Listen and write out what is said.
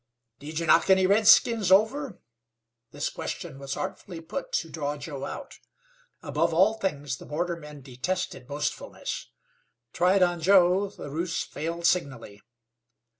"Did ye knock any redskins over?" This question was artfully put to draw Joe out. Above all things, the bordermen detested boastfulness; tried on Joe the ruse failed signally.